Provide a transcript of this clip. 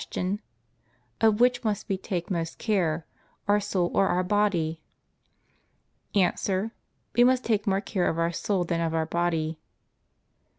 Of which must we take more care, our soul or our body? A. We must take more care of our soul than of our body.